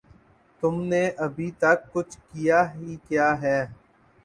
تم نے ابھے تک کچھ کیا ہی کیا ہے